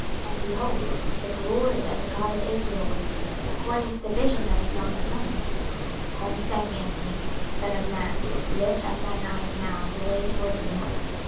26:008:004 And, behold, the glory of the God of Israel was there, according to the vision that I saw in the plain. 26:008:005 Then said he unto me, Son of man, lift up thine eyes now the way toward the north.